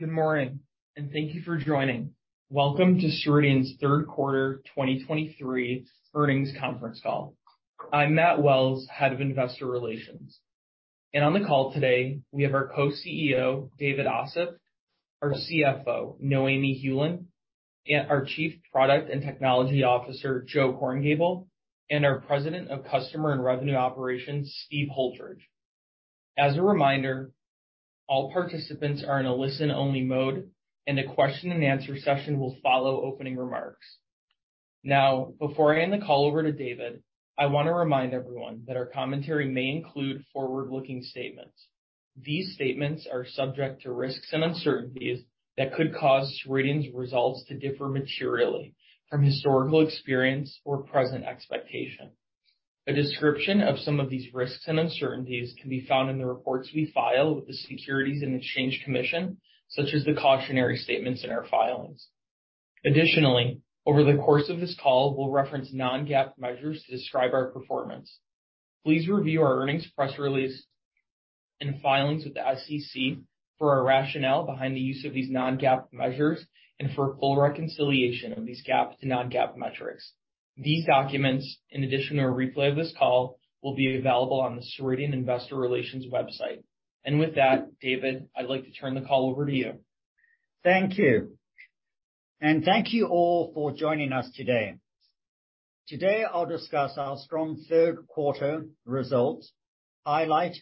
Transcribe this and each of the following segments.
Good morning, and thank you for joining. Welcome to Ceridian's third quarter 2023 earnings conference call. I'm Matt Wells, head of Investor Relations. On the call today, we have our Co-CEO, David Ossip, our CFO, Noémie Heuland, and our Chief Product and Technology Officer, Joe Korngiebel, and our President of Customer and Revenue Operations, Steve Holdridge. As a reminder, all participants are in a listen-only mode, and the question and answer session will follow opening remarks. Now, before I hand the call over to David, I want to remind everyone that our commentary may include forward-looking statements. These statements are subject to risks and uncertainties that could cause Ceridian's results to differ materially from historical experience or present expectation. A description of some of these risks and uncertainties can be found in the reports we file with the Securities and Exchange Commission, such as the cautionary statements in our filings. Additionally, over the course of this call, we'll reference non-GAAP measures to describe our performance. Please review our earnings press release and filings with the SEC for our rationale behind the use of these non-GAAP measures and for a full reconciliation of these GAAP to non-GAAP metrics. These documents, in addition to a replay of this call, will be available on the Ceridian Investor Relations website. With that, David, I'd like to turn the call over to you. Thank you, and thank you all for joining us today. Today, I'll discuss our strong third quarter results, highlight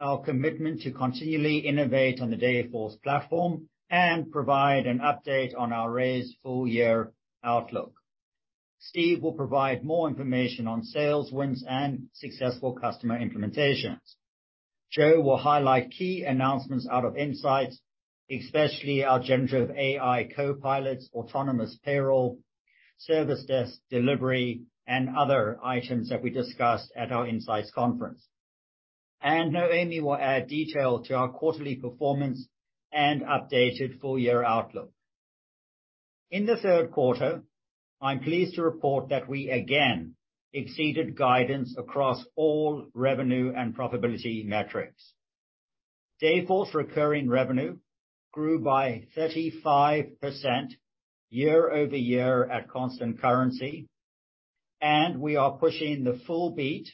our commitment to continually innovate on the Dayforce platform, and provide an update on our raised full year outlook. Steve will provide more information on sales, wins, and successful customer implementations. Joe will highlight key announcements out of Insights, especially our generative AI Co-Pilots, autonomous payroll, service desk delivery, and other items that we discussed at our Insights conference. And Noémie will add detail to our quarterly performance and updated full year outlook. In the third quarter, I'm pleased to report that we again exceeded guidance across all revenue and profitability metrics. Dayforce recurring revenue grew by 35% year-over-year at constant currency, and we are pushing the full beat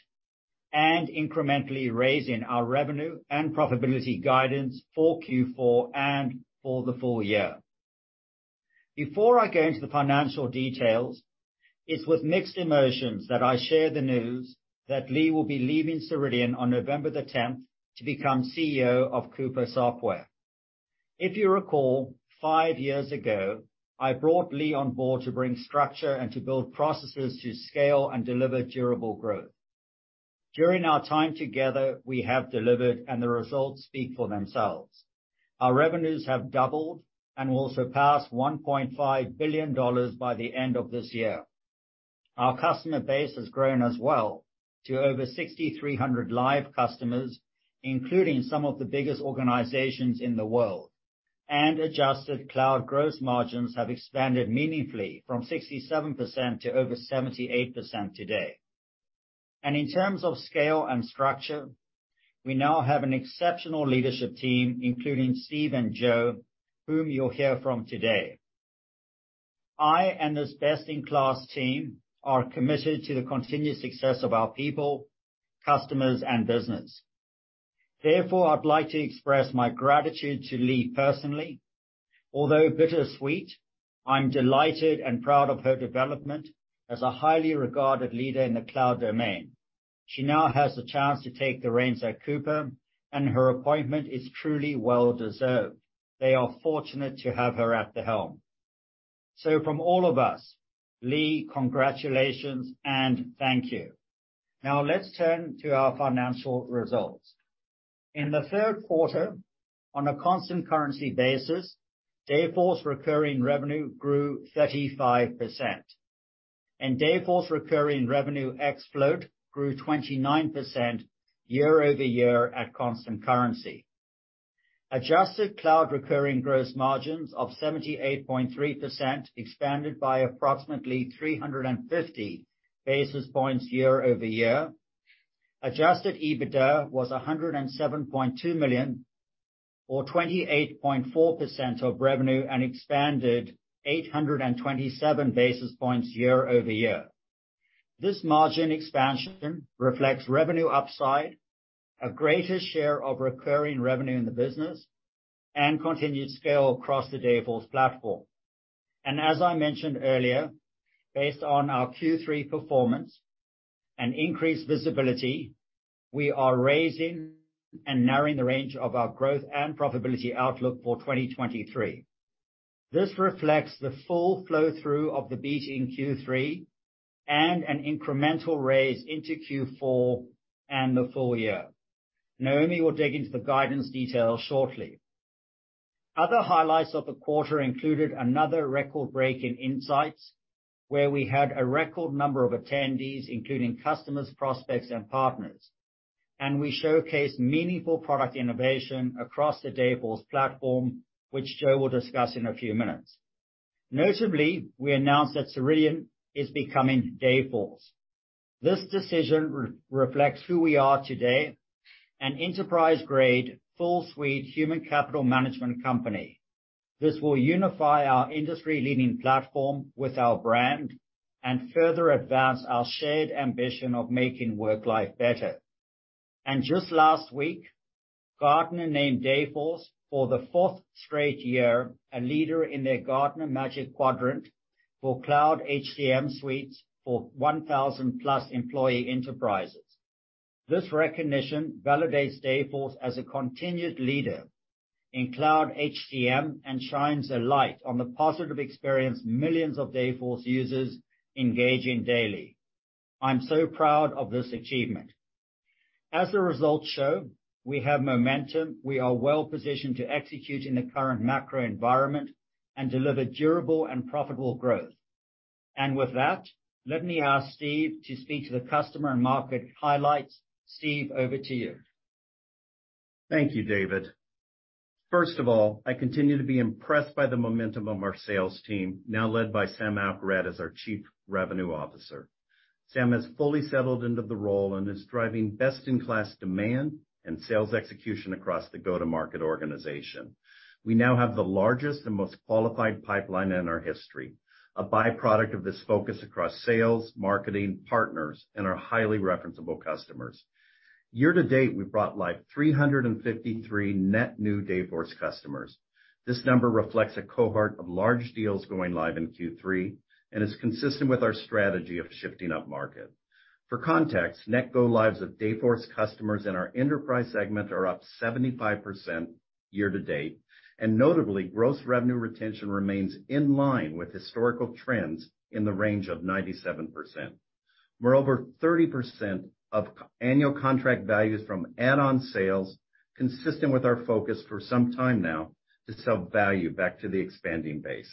and incrementally raising our revenue and profitability guidance for Q4 and for the full year. Before I go into the financial details, it's with mixed emotions that I share the news that Leagh will be leaving Ceridian on November the tenth to become CEO of Coupa Software. If you recall, five years ago, I brought Leagh on board to bring structure and to build processes to scale and deliver durable growth. During our time together, we have delivered, and the results speak for themselves. Our revenues have doubled and will surpass $1.5 billion by the end of this year. Our customer base has grown as well to over 6,300 live customers, including some of the biggest organizations in the world, and adjusted cloud gross margins have expanded meaningfully from 67% to over 78% today. In terms of scale and structure, we now have an exceptional leadership team, including Steve and Joe, whom you'll hear from today. I and this best-in-class team are committed to the continued success of our people, customers, and business. Therefore, I'd like to express my gratitude to Leagh personally. Although bittersweet, I'm delighted and proud of her development as a highly regarded leader in the cloud domain. She now has the chance to take the reins at Coupa, and her appointment is truly well-deserved. They are fortunate to have her at the helm. So from all of us, Leagh, congratulations and thank you. Now, let's turn to our financial results. In the third quarter, on a constant currency basis, Dayforce recurring revenue grew 35%, and Dayforce recurring revenue ex float grew 29% year-over-year at constant currency. Adjusted cloud recurring gross margins of 78.3% expanded by approximately 350 basis points year-over-year. Adjusted EBITDA was $107.2 million, or 28.4% of revenue, and expanded 827 basis points year-over-year. This margin expansion reflects revenue upside, a greater share of recurring revenue in the business, and continued scale across the Dayforce platform. As I mentioned earlier, based on our Q3 performance and increased visibility, we are raising and narrowing the range of our growth and profitability outlook for 2023. This reflects the full flow-through of the beat in Q3 and an incremental raise into Q4 and the full year. Noémie will dig into the guidance details shortly. Other highlights of the quarter included another record break in Insights, where we had a record number of attendees, including customers, prospects, and partners. We showcased meaningful product innovation across the Dayforce platform, which Joe will discuss in a few minutes. Notably, we announced that Ceridian is becoming Dayforce. This decision reflects who we are today, an enterprise-grade, full suite human capital management company. This will unify our industry-leading platform with our brand and further advance our shared ambition of making work life better. And just last week, Gartner named Dayforce, for the fourth straight year, a leader in their Gartner Magic Quadrant for Cloud HCM Suites for 1,000+ Employee Enterprises. This recognition validates Dayforce as a continued leader in cloud HCM and shines a light on the positive experience millions of Dayforce users engage in daily. I'm so proud of this achievement. As the results show, we have momentum. We are well positioned to execute in the current macro environment and deliver durable and profitable growth. And with that, let me ask Steve to speak to the customer and market highlights. Steve, over to you. Thank you, David. First of all, I continue to be impressed by the momentum of our sales team, now led by Sam Alkharrat as our Chief Revenue Officer. Sam has fully settled into the role and is driving best-in-class demand and sales execution across the go-to-market organization. We now have the largest and most qualified pipeline in our history, a by-product of this focus across sales, marketing, partners, and our highly referenceable customers. Year-to-date, we've brought live 353 net new Dayforce customers. This number reflects a cohort of large deals going live in Q3 and is consistent with our strategy of shifting up market. For context, go-lives of Dayforce customers in our enterprise segment are up 75% year-to-date, and notably, gross revenue retention remains in line with historical trends in the range of 97%, where over 30% of annual contract values from add-on sales, consistent with our focus for some time now, to sell value back to the expanding base.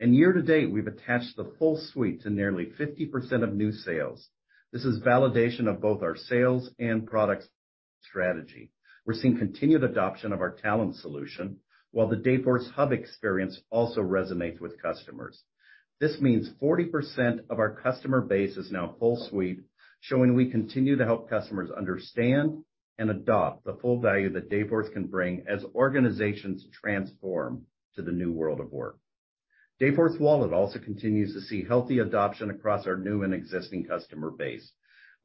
Year-to-date, we've attached the full suite to nearly 50% of new sales. This is validation of both our sales and product strategy. We're seeing continued adoption of our talent solution, while the Dayforce Hub experience also resonates with customers. This means 40% of our customer base is now full suite, showing we continue to help customers understand and adopt the full value that Dayforce can bring as organizations transform to the new world of work. Dayforce Wallet also continues to see healthy adoption across our new and existing customer base.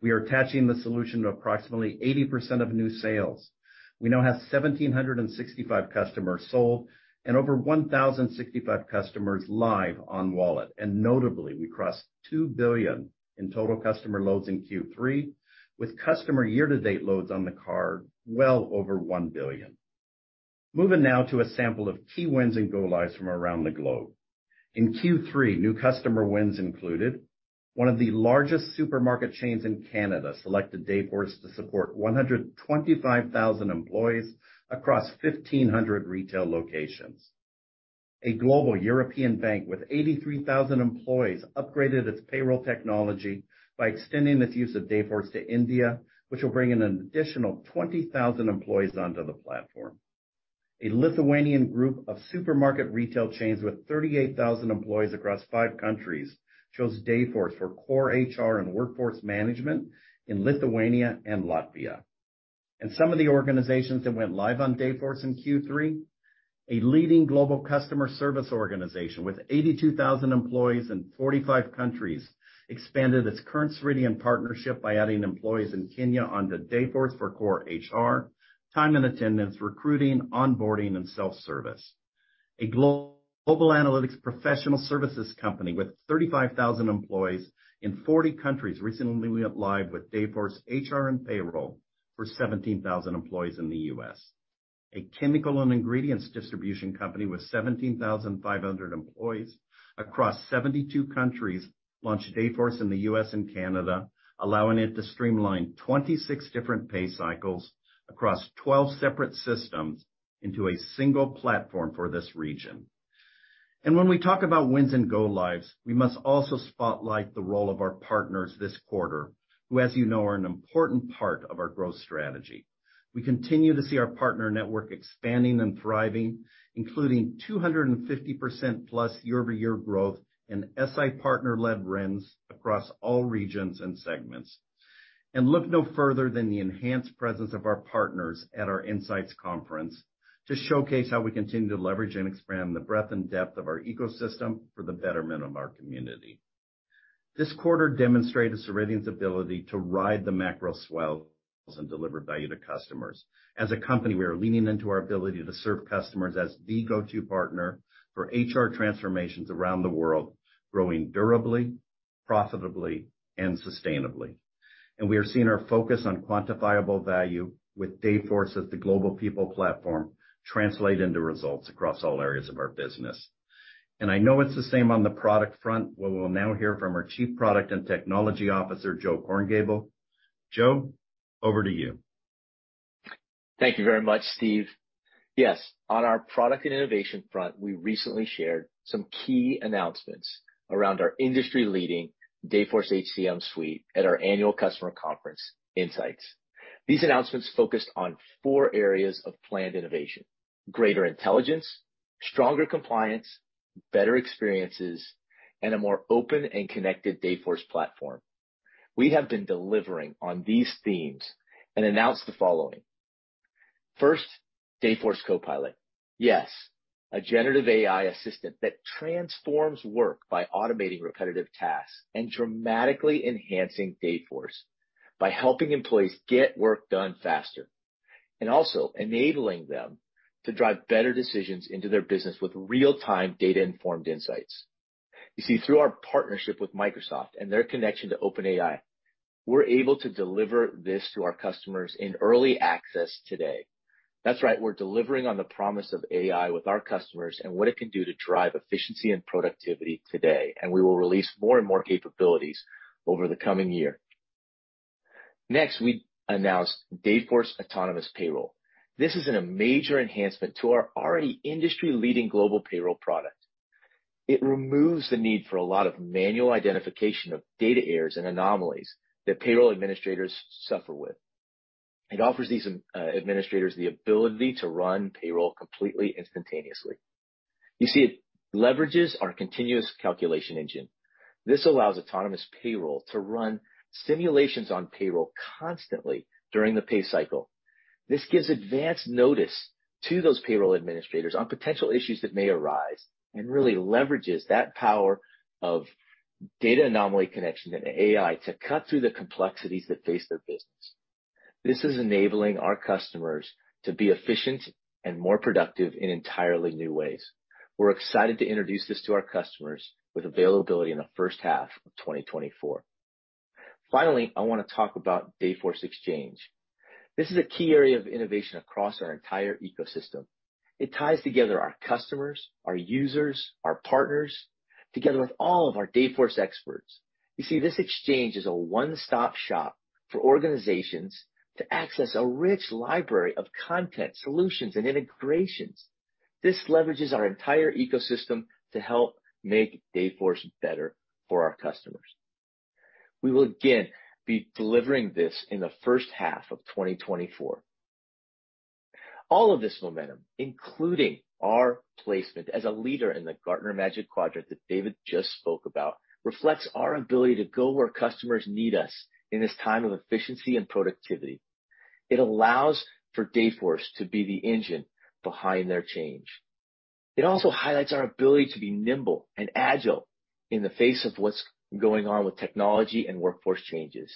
We are attaching the solution to approximately 80% of new sales. We now have 1,765 customers sold and over 1,065 customers live on Wallet. And notably, we crossed 2 billion in total customer loads in Q3, with customer year-to-date loads on the card well over 1 billion. Moving now to a sample of key wins go-lives from around the globe. In Q3, new customer wins included: one of the largest supermarket chains in Canada, selected Dayforce to support 125,000 employees across 1,500 retail locations. A global European bank with 83,000 employees, upgraded its payroll technology by extending its use of Dayforce to India, which will bring in an additional 20,000 employees onto the platform. A Lithuanian group of supermarket retail chains with 38,000 employees across five countries chose Dayforce for Core HR and Workforce Management in Lithuania and Latvia. Some of the organizations that went live on Dayforce in Q3: A leading global customer service organization with 82,000 employees in 45 countries expanded its current Ceridian partnership by adding employees in Kenya onto Dayforce for core HR, time and attendance, recruiting, onboarding, and self-service. A global analytics professional services company with 35,000 employees in 40 countries recently went live with Dayforce HR and Payroll for 17,000 employees in the U.S.. A chemical and ingredients distribution company with 17,500 employees across 72 countries launched Dayforce in the U.S. and Canada, allowing it to streamline 26 different pay cycles across 12 separate systems into a single platform for this region. When we talk about wins go-lives, we must also spotlight the role of our partners this quarter, who, as you know, are an important part of our growth strategy. We continue to see our partner network expanding and thriving, including 250%+ year-over-year growth in SI partner-led RIMS across all regions and segments. Look no further than the enhanced presence of our partners at our Insights conference to showcase how we continue to leverage and expand the breadth and depth of our ecosystem for the betterment of our community. This quarter demonstrated Ceridian's ability to ride the macro swells and deliver value to customers. As a company, we are leaning into our ability to serve customers as the go-to partner for HR transformations around the world, growing durably, profitably, and sustainably. We are seeing our focus on quantifiable value with Dayforce as the global people platform, translate into results across all areas of our business. I know it's the same on the product front. Well, we'll now hear from our Chief Product and Technology Officer, Joe Korngiebel. Joe, over to you. Thank you very much, Steve. Yes, on our product and innovation front, we recently shared some key announcements around our industry-leading Dayforce HCM Suite at our annual customer conference, Insights. These announcements focused on four areas of planned innovation: greater intelligence, stronger compliance better experiences, and a more open and connected Dayforce platform. We have been delivering on these themes and announced the following. First, Dayforce Co-Pilot. Yes, a generative AI assistant that transforms work by automating repetitive tasks and dramatically enhancing Dayforce by helping employees get work done faster, and also enabling them to drive better decisions into their business with real-time, data-informed insights. You see, through our partnership with Microsoft and their connection to OpenAI, we're able to deliver this to our customers in early access today. That's right, we're delivering on the promise of AI with our customers and what it can do to drive efficiency and productivity today, and we will release more and more capabilities over the coming year. Next, we announced Dayforce Autonomous Payroll. This is a major enhancement to our already industry-leading global payroll product. It removes the need for a lot of manual identification of data errors and anomalies that payroll administrators suffer with. It offers these administrators the ability to run payroll completely instantaneously. You see, it leverages our Continuous Calculation Engine. This allows Autonomous Payroll to run simulations on payroll constantly during the pay cycle. This gives advance notice to those payroll administrators on potential issues that may arise, and really leverages that power of data anomaly connection and AI to cut through the complexities that face their business. This is enabling our customers to be efficient and more productive in entirely new ways. We're excited to introduce this to our customers, with availability in the first half of 2024. Finally, I want to talk about Dayforce Exchange. This is a key area of innovation across our entire ecosystem. It ties together our customers, our users, our partners, together with all of our Dayforce experts. You see, this exchange is a one-stop shop for organizations to access a rich library of content, solutions, and integrations. This leverages our entire ecosystem to help make Dayforce better for our customers. We will again be delivering this in the first half of 2024. All of this momentum, including our placement as a leader in the Gartner Magic Quadrant that David just spoke about, reflects our ability to go where customers need us in this time of efficiency and productivity. It allows for Dayforce to be the engine behind their change. It also highlights our ability to be nimble and agile in the face of what's going on with technology and workforce changes.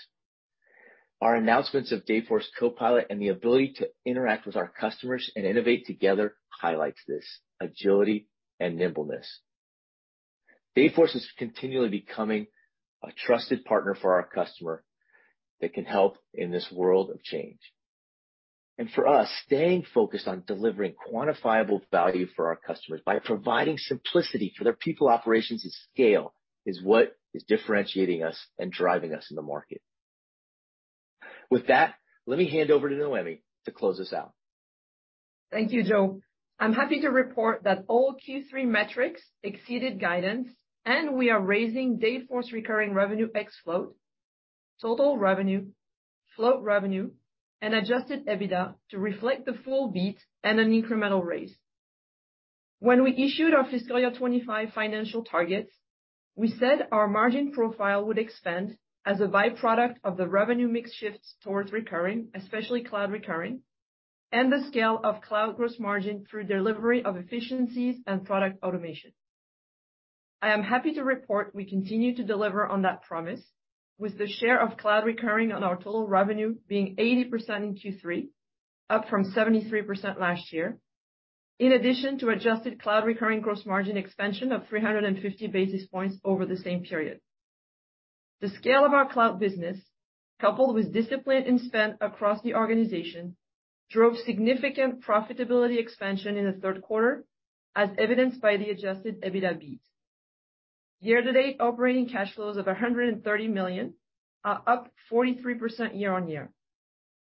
Our announcements of Dayforce Co-Pilot and the ability to interact with our customers and innovate together highlights this agility and nimbleness. Dayforce is continually becoming a trusted partner for our customer that can help in this world of change. For us, staying focused on delivering quantifiable value for our customers by providing simplicity for their people operations at scale, is what is differentiating us and driving us in the market. With that, let me hand over to Noémie to close us out. Thank you, Joe. I'm happy to report that all Q3 metrics exceeded guidance, and we are raising Dayforce recurring revenue ex float, total revenue, float revenue, and Adjusted EBITDA to reflect the full beat and an incremental raise. When we issued our fiscal year 2025 financial targets, we said our margin profile would expand as a byproduct of the revenue mix shifts towards recurring, especially cloud recurring, and the scale of cloud gross margin through delivery of efficiencies and product automation. I am happy to report we continue to deliver on that promise, with the share of cloud recurring on our total revenue being 80% in Q3, up from 73% last year, in addition to adjusted cloud recurring gross margin expansion of 350 basis points over the same period. The scale of our cloud business, coupled with discipline in spend across the organization, drove significant profitability expansion in the third quarter, as evidenced by the Adjusted EBITDA beat. Year-to-date operating cash flows of $130 million are up 43% year-over-year,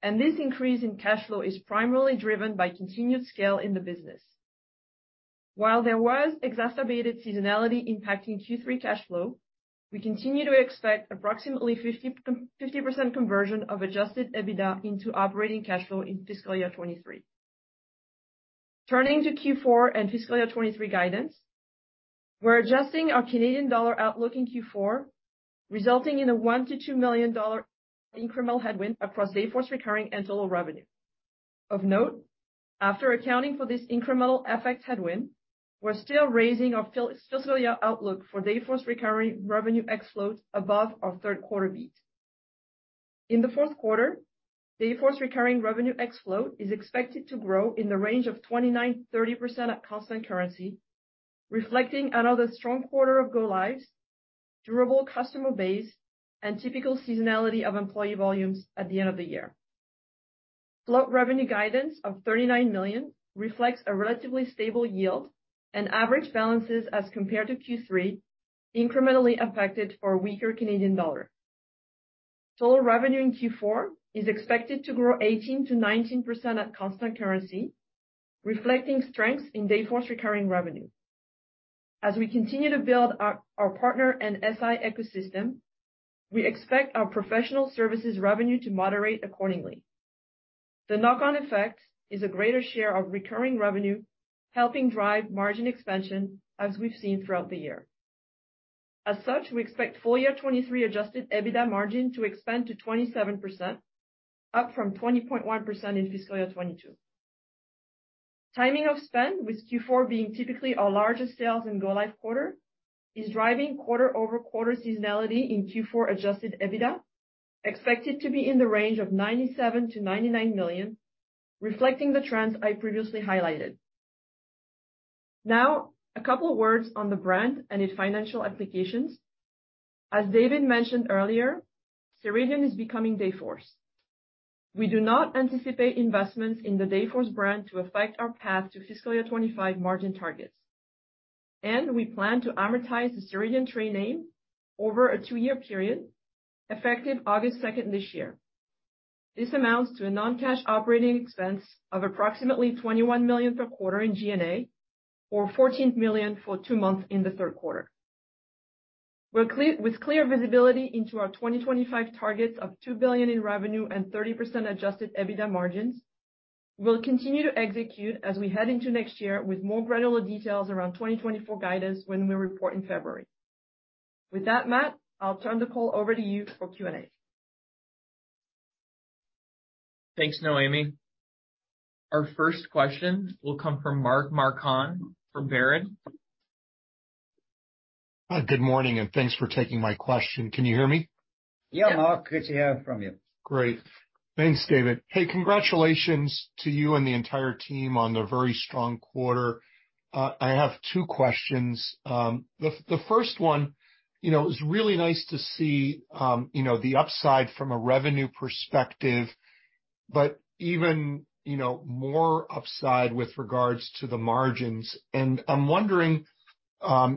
and this increase in cash flow is primarily driven by continued scale in the business. While there was exacerbated seasonality impacting Q3 cash flow, we continue to expect approximately 50%-50% conversion of Adjusted EBITDA into operating cash flow in fiscal year 2023. Turning to Q4 and fiscal year 2023 guidance, we're adjusting our Canadian dollar outlook in Q4, resulting in a $1 million-$2 million incremental headwind across Dayforce recurring and total revenue. Of note, after accounting for this incremental FX headwind, we're still raising our fiscal year outlook for Dayforce recurring revenue ex float above our third quarter beat. In the fourth quarter, Dayforce recurring revenue excluding float is expected to grow in the range of 29%-30% at constant currency, reflecting another strong quarter of go-lives, durable customer base, and typical seasonality of employee volumes at the end of the year. Float revenue guidance of $39 million reflects a relatively stable yield and average balances as compared to Q3, incrementally affected by a weaker Canadian dollar. Total revenue in Q4 is expected to grow 18%-19% at constant currency, reflecting strengths in Dayforce recurring revenue. As we continue to build our partner and SI ecosystem, we expect our professional services revenue to moderate accordingly. The knock-on effect is a greater share of recurring revenue, helping drive margin expansion, as we've seen throughout the year. As such, we expect full year 2023 Adjusted EBITDA margin to expand to 27%, up from 20.1% in fiscal year 2022. Timing of spend, with Q4 being typically our largest sales go-live quarter, is driving quarter-over-quarter seasonality in Q4 Adjusted EBITDA, expected to be in the range of $97 million-$99 million, reflecting the trends I previously highlighted. Now, a couple words on the brand and its financial applications. As David mentioned earlier, Ceridian is becoming Dayforce. We do not anticipate investments in the Dayforce brand to affect our path to fiscal year 2025 margin targets, and we plan to amortize the Ceridian trade name over a two-year period, effective August 2 this year. This amounts to a non-cash operating expense of approximately $21 million per quarter in G&A, or $14 million for two months in the third quarter. With clear visibility into our 2025 targets of $2 billion in revenue and 30% Adjusted EBITDA margins, we'll continue to execute as we head into next year with more granular details around 2024 guidance when we report in February. With that, Matt, I'll turn the call over to you for Q&A. Thanks, Noémie. Our first question will come from Mark Marcon from Baird. Hi, good morning, and thanks for taking my question. Can you hear me? Yeah, Mark, good to hear from you. Great. Thanks, David. Hey, congratulations to you and the entire team on a very strong quarter. I have two questions. The first one, you know, it's really nice to see the upside from a revenue perspective, but even more upside with regards to the margins. And I'm wondering,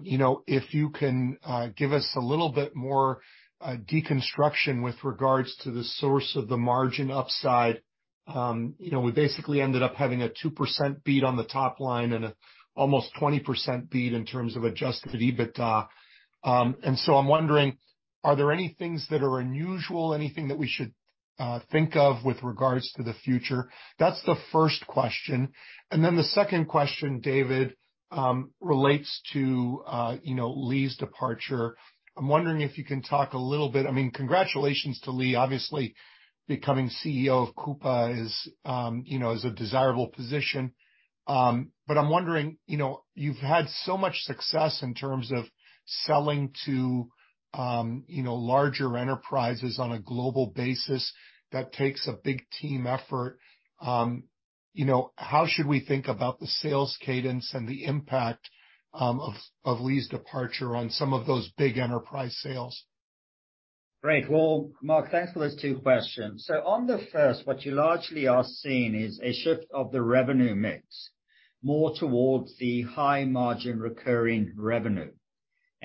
you know, if you can give us a little bit more deconstruction with regards to the source of the margin upside. You know, we basically ended up having a 2% beat on the top line and almost 20% beat in terms of Adjusted EBITDA. And so I'm wondering, are there any things that are unusual, anything that we should think of with regards to the future? That's the first question. And then the second question, David, relates to, you know, Leagh's departure. I'm wondering if you can talk a little bit. I mean, congratulations to Leagh. Obviously, becoming CEO of Coupa is, you know, a desirable position. But I'm wondering, you know, you've had so much success in terms of selling to, you know, larger enterprises on a global basis, that takes a big team effort. You know, how should we think about the sales cadence and the impact of Leagh's departure on some of those big enterprise sales? Great. Well, Mark, thanks for those two questions. So on the first, what you largely are seeing is a shift of the revenue mix, more towards the high margin recurring revenue.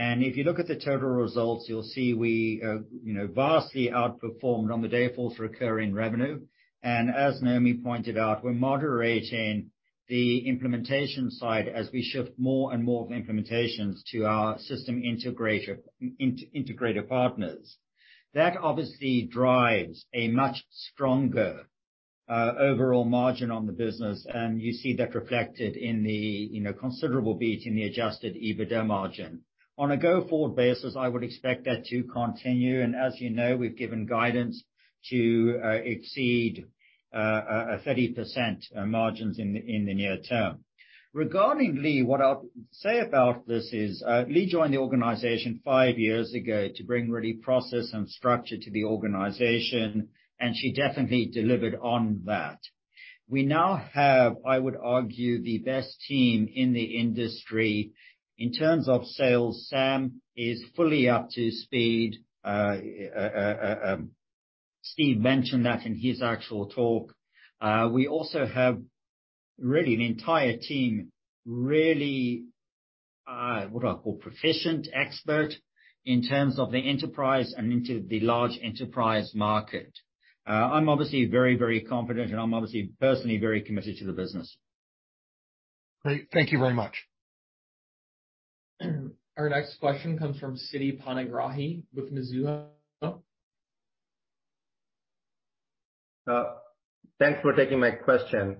And if you look at the total results, you'll see we, you know, vastly outperformed on the Dayforce recurring revenue. And as Noémie pointed out, we're moderating the implementation side as we shift more and more of implementations to our system integrator partners. That obviously drives a much stronger, overall margin on the business, and you see that reflected in the, you know, considerable beat in the Adjusted EBITDA margin. On a go-forward basis, I would expect that to continue, and as you know, we've given guidance to exceed a 30% margins in the near term. Regarding Leagh, what I'll say about this is, Leagh joined the organization five years ago to bring really process and structure to the organization, and she definitely delivered on that. We now have, I would argue, the best team in the industry. In terms of sales, Sam is fully up to speed. Steve mentioned that in his actual talk. We also have really an entire team, really, what I call proficient expert in terms of the enterprise and into the large enterprise market. I'm obviously very, very confident, and I'm obviously personally very committed to the business. Great. Thank you very much. Our next question comes from Siti Panigrahi with Mizuho. Thanks for taking my question.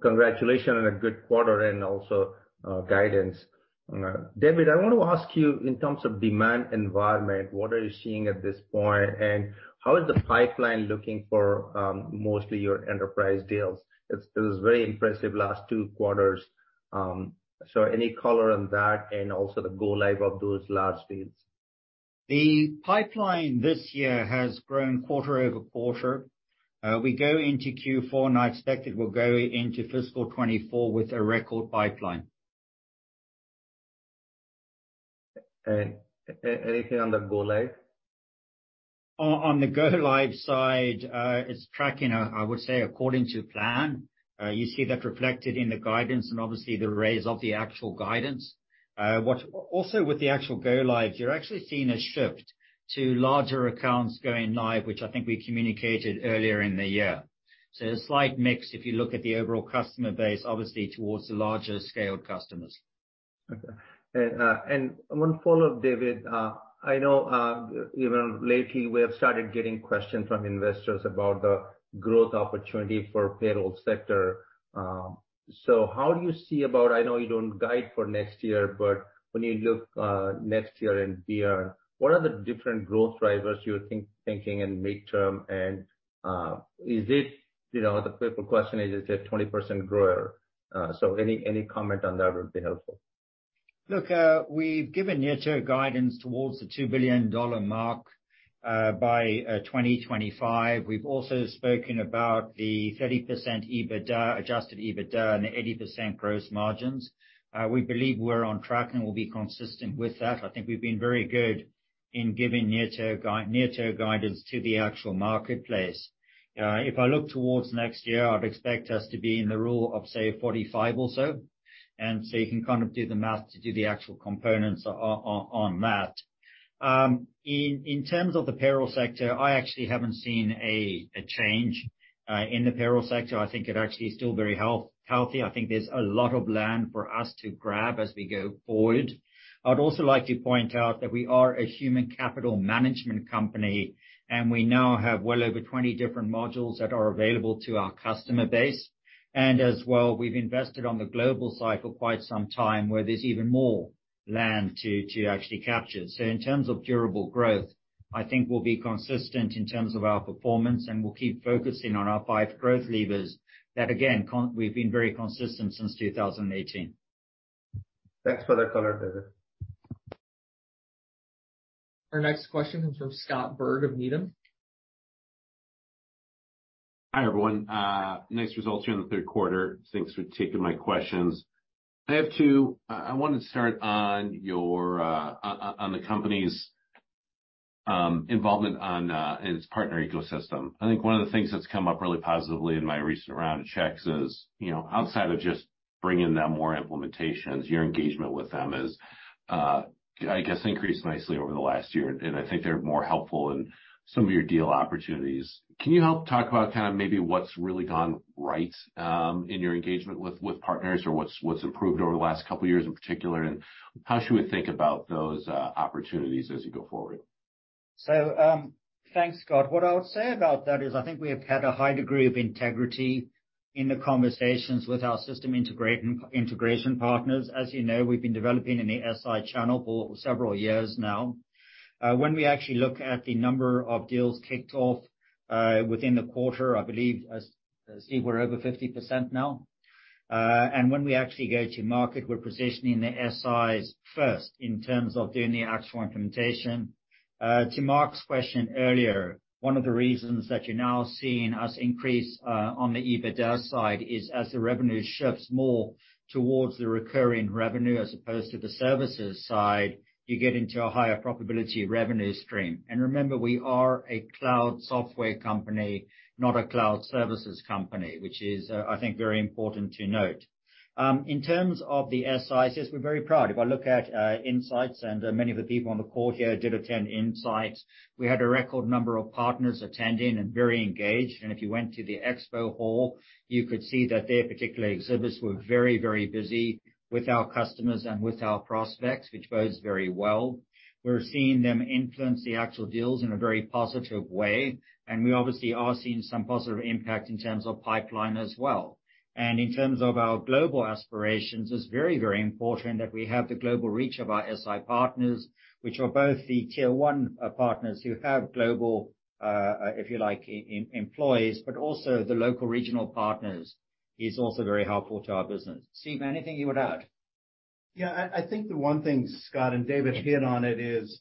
Congratulations on a good quarter and also guidance. David, I want to ask you, in terms of demand environment, what are you seeing at this point, and how is the pipeline looking for mostly your enterprise deals? It was very impressive last two quarters. So any color on that, and also go-live of those large deals? The pipeline this year has grown quarter-over-quarter. We go into Q4, and I expect it will go into fiscal 2024 with a record pipeline. And anything on the go-live? On go-live side, it's tracking, I would say, according to plan. You see that reflected in the guidance and obviously the raise of the actual guidance. Also, with the go-lives, you're actually seeing a shift to larger accounts going live, which I think we communicated earlier in the year. So a slight mix, if you look at the overall customer base, obviously towards the larger scaled customers. Okay. And one follow-up, David. I know, you know, lately we have started getting questions from investors about the growth opportunity for payroll sector. So how do you see about. I know you don't guide for next year, but when you look next year and beyond, what are the different growth drivers you're thinking in mid-term? And, you know, the typical question is, is it a 20% grower? So any comment on that would be helpful. Look, we've given year-to-year guidance towards the $2 billion mark by 2025. We've also spoken about the 30% Adjusted EBITDA and the 80% gross margins. We believe we're on track, and we'll be consistent with that. I think we've been very good in giving year-to-year guidance to the actual marketplace. If I look towards next year, I'd expect us to be in the Rule of 45 or so, and so you can kind of do the math to do the actual components on that. In terms of the payroll sector, I actually haven't seen a change in the payroll sector. I think it actually is still very healthy. I think there's a lot of land for us to grab as we go forward. I'd also like to point out that we are a human capital management company, and we now have well over 20 different modules that are available to our customer base. As well, we've invested on the global cycle quite some time, where there's even more land to, to actually capture. In terms of durable growth, I think we'll be consistent in terms of our performance, and we'll keep focusing on our five growth levers that, again, we've been very consistent since 2018. Thanks for that color, David. Our next question comes from Scott Berg of Needham. Hi, everyone. Nice results here in the third quarter. Thanks for taking my questions. I have two. I wanted to start on your on the company's involvement on its partner ecosystem. I think one of the things that's come up really positively in my recent round of checks is, you know, outside of just bringing them more implementations, your engagement with them is, I guess increased nicely over the last year, and I think they're more helpful in some of your deal opportunities. Can you help talk about kind of maybe what's really gone right in your engagement with partners or what's improved over the last couple of years in particular? And how should we think about those opportunities as you go forward? Thanks, Scott. What I would say about that is, I think we have had a high degree of integrity in the conversations with our system integration, integration partners. As you know, we've been developing in the SI channel for several years now. When we actually look at the number of deals kicked off within the quarter, I believe, as, as Steve, we're over 50% now. And when we actually go to market, we're positioning the SIs first in terms of doing the actual implementation. To Mark's question earlier, one of the reasons that you're now seeing us increase on the EBITDA side is as the revenue shifts more towards the recurring revenue as opposed to the services side, you get into a higher probability revenue stream. And remember, we are a cloud software company, not a cloud services company, which is, I think, very important to note. In terms of the SIs, yes, we're very proud. If I look at Insights, and many of the people on the call here did attend Insights, we had a record number of partners attending and very engaged. If you went to the expo hall, you could see that their particular exhibits were very, very busy with our customers and with our prospects, which bodes very well. We're seeing them influence the actual deals in a very positive way, and we obviously are seeing some positive impact in terms of pipeline as well. And in terms of our global aspirations, it's very, very important that we have the global reach of our SI partners, which are both the tier one partners who have global, if you like, employees, but also the local regional partners, is also very helpful to our business. Steve, anything you would add? Yeah, I, I think the one thing Scott and David hit on it is,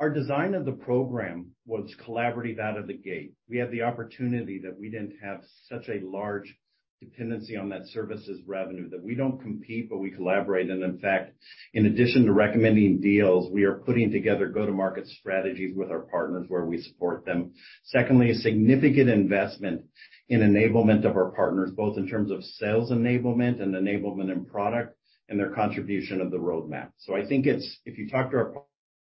our design of the program was collaborative out of the gate. We had the opportunity that we didn't have such a large dependency on that services revenue, that we don't compete, but we collaborate. And in fact, in addition to recommending deals, we are putting together go-to-market strategies with our partners where we support them. Secondly, a significant investment in enablement of our partners, both in terms of sales enablement and enablement in product, and their contribution of the roadmap. So I think it's, if you talk to our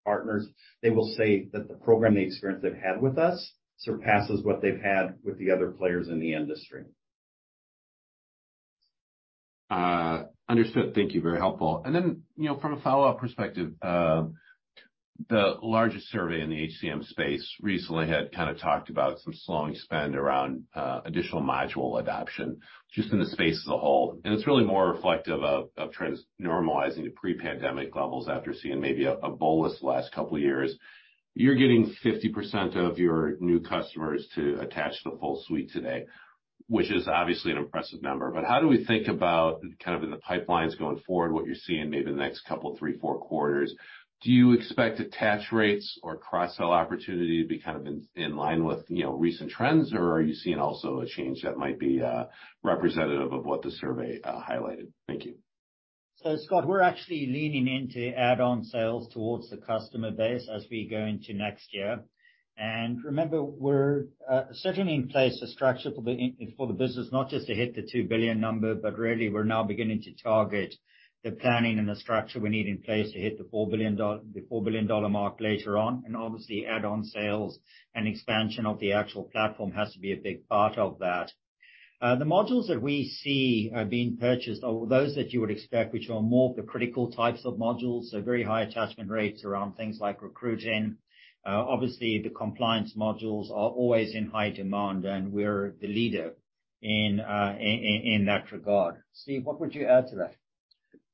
partners, they will say that the program, the experience they've had with us surpasses what they've had with the other players in the industry. Understood. Thank you. Very helpful. And then, you know, from a follow-up perspective, the largest survey in the HCM space recently had kind of talked about some slowing spend around additional module adoption, just in the space as a whole. And it's really more reflective of trends normalizing to pre-pandemic levels after seeing maybe a bolus the last couple of years. You're getting 50% of your new customers to attach the full suite today, which is obviously an impressive number. But how do we think about, kind of in the pipelines going forward, what you're seeing maybe in the next couple, three, four quarters? Do you expect attach rates or cross-sell opportunity to be kind of in line with, you know, recent trends, or are you seeing also a change that might be representative of what the survey highlighted? Thank you. So, Scott, we're actually leaning into add-on sales towards the customer base as we go into next year. And remember, we're setting in place a structure for the business, not just to hit the $2 billion number, but really we're now beginning to target the planning and the structure we need in place to hit the $4 billion dollar mark later on. And obviously, add-on sales and expansion of the actual platform has to be a big part of that. The modules that we see are being purchased are those that you would expect, which are more the critical types of modules, so very high attachment rates around things like recruiting. Obviously, the compliance modules are always in high demand, and we're the leader in that regard. Steve, what would you add to that?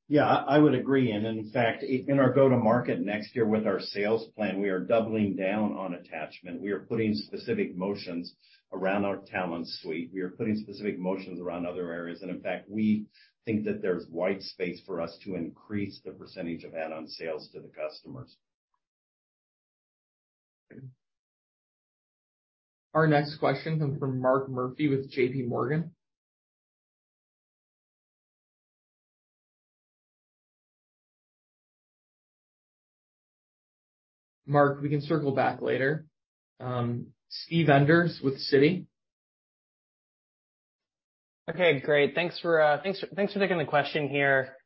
Yeah, I would agree. And in fact, in our go-to-market next year with our sales plan, we are doubling down on attachment. We are putting specific motions around our talent suite. We are putting specific motions around other areas, and in fact, we think that there's wide space for us to increase the percentage of add-on sales to the customers. Our next question comes from Mark Murphy with JPMorgan. Mark, we can circle back later. Steve Enders with Citi. Okay, great. Thanks for taking the question here.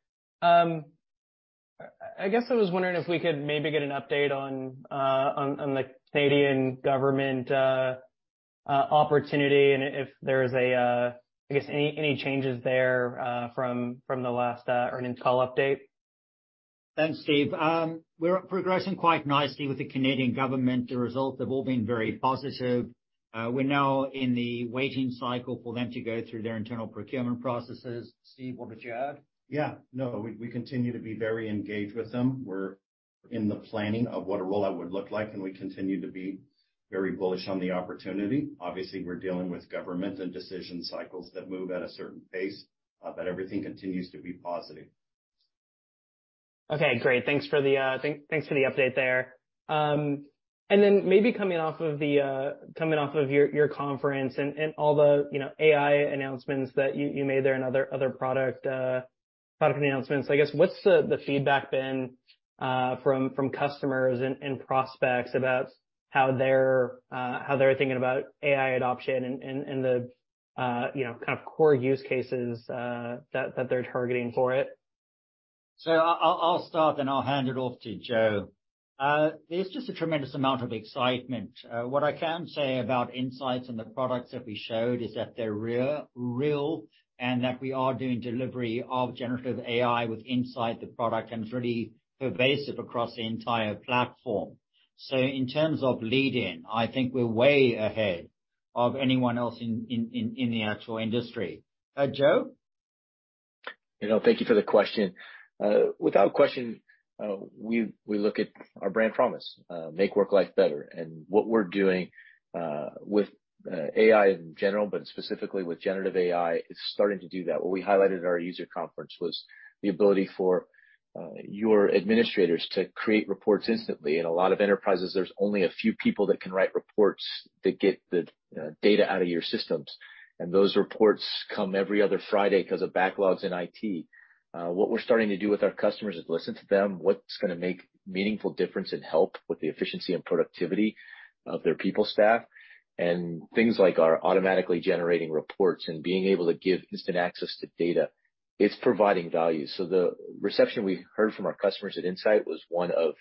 I guess I was wondering if we could maybe get an update on the Canadian government opportunity, and if there is a, I guess, any changes there from the last earnings call update. Thanks, Steve. We're progressing quite nicely with the Canadian government. The results have all been very positive. We're now in the waiting cycle for them to go through their internal procurement processes. Steve, what would you add? Yeah. No, we, we continue to be very engaged with them. We're in the planning of what a rollout would look like, and we continue to be very bullish on the opportunity. Obviously, we're dealing with government and decision cycles that move at a certain pace, but everything continues to be positive. Okay, great. Thanks for the update there. And then maybe coming off of your conference and all the, you know, AI announcements that you made there and other product announcements, I guess, what's the feedback been from customers and prospects about how they're thinking about AI adoption and the, you know, kind of core use cases that they're targeting for it? I'll start, then I'll hand it off to Joe. There's just a tremendous amount of excitement. What I can say about Insights and the products that we showed is that they're real, real, and that we are doing delivery of generative AI with Insights, the product, and it's really pervasive across the entire platform. In terms of lead-in, I think we're way ahead of anyone else in the actual industry. Joe? You know, thank you for the question. Without question, we look at our brand promise: make work life better. And what we're doing with AI in general, but specifically with generative AI, is starting to do that. What we highlighted at our user conference was the ability for your administrators to create reports instantly. In a lot of enterprises, there's only a few people that can write reports that get the data out of your systems, and those reports come every other Friday because of backlogs in IT. What we're starting to do with our customers is listen to them, what's gonna make meaningful difference and help with the efficiency and productivity of their people staff. And things like our automatically generating reports and being able to give instant access to data, it's providing value. So the reception we heard from our customers at Insight was one of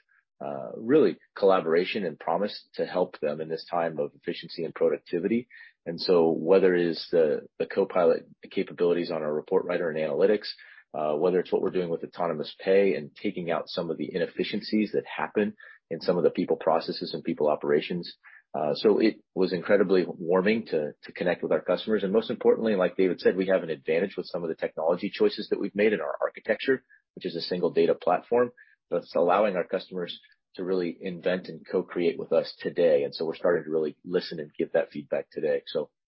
really collaboration and promise to help them in this time of efficiency and productivity. And so whether it is the Co-Pilot capabilities on our report writer and analytics, whether it's what we're doing with autonomous pay and taking out some of the inefficiencies that happen in some of the people processes and people operations. So it was incredibly warming to connect with our customers. And most importantly, like David said, we have an advantage with some of the technology choices that we've made in our architecture, which is a single data platform, that's allowing our customers to really invent and co-create with us today. And so we're starting to really listen and get that feedback today.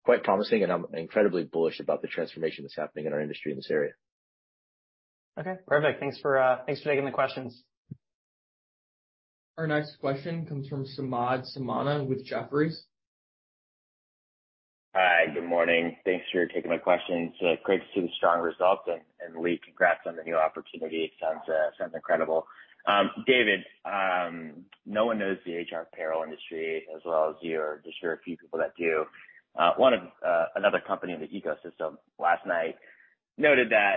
Quite promising, and I'm incredibly bullish about the transformation that's happening in our industry in this area. Okay, perfect. Thanks for, thanks for taking the questions. Our next question comes from Samad Samana with Jefferies. Hi, good morning. Thanks for taking my questions. Great to see the strong results, and Leagh, congrats on the new opportunity. Sounds incredible. David, no one knows the HR payroll industry as well as you or just very few people that do. Another company in the ecosystem last night noted that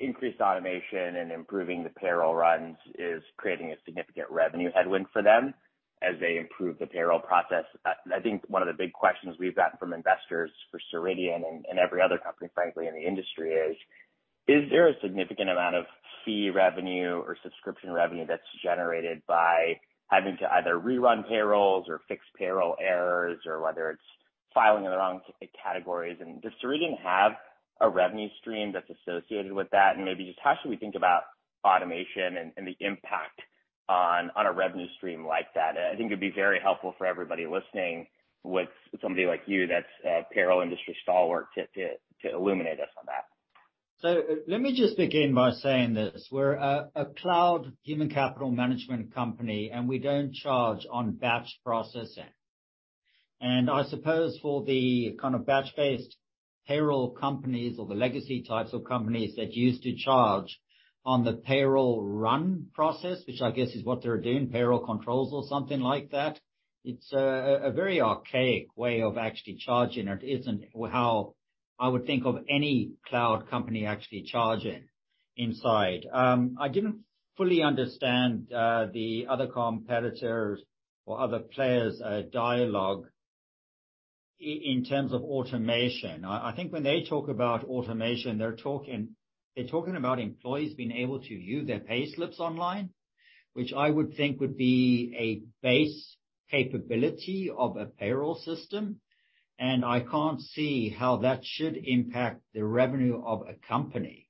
increased automation and improving the payroll runs is creating a significant revenue headwind for them as they improve the payroll process. I think one of the big questions we've gotten from investors for Ceridian and every other company, frankly, in the industry is: Is there a significant amount of fee revenue or subscription revenue that's generated by having to either rerun payrolls or fix payroll errors, or whether it's filing in the wrong categories? And does Ceridian have a revenue stream that's associated with that? And maybe just how should we think about automation and the impact on a revenue stream like that? I think it'd be very helpful for everybody listening with somebody like you, that's a payroll industry stalwart, to illuminate us on that. Let me just begin by saying this: We're a cloud human capital management company, and we don't charge on batch processing. I suppose for the kind of batch-based payroll companies or the legacy types of companies that used to charge on the payroll run process, which I guess is what they're doing, payroll controls or something like that, it's a very archaic way of actually charging, and it isn't how I would think of any cloud company actually charging inside. I didn't fully understand the other competitors or other players' dialogue in terms of automation. I think when they talk about automation, they're talking about employees being able to view their payslips online, which I would think would be a basic capability of a payroll system, and I can't see how that should impact the revenue of a company.